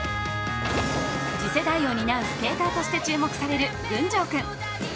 次世代を担うスケーターとして注目される群青君。